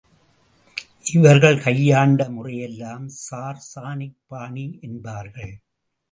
இவர்கள் கையாண்ட முறையெல்லாம் சார் சானிக் பாணி என்பார்கள்.